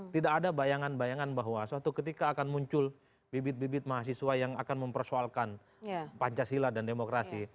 tidak ada bayangan bayangan bahwa suatu ketika akan muncul bibit bibit mahasiswa yang akan mempersoalkan pancasila dan demokrasi